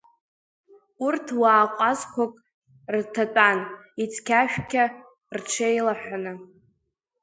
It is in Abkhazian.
Урҭ уаа ҟәазқәак рҭатәан, ицқьашәқьа рҽеилаҳәаны.